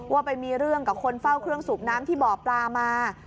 ว่าไปมีเรื่องกับคนเฝ้าเครื่องสูบน้ำที่บ่อปลามา